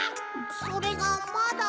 それがまだ。